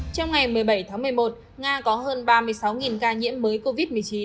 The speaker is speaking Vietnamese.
trong ngày một mươi bảy tháng một mươi một nga có hơn ba mươi sáu ca nhiễm mới covid một mươi chín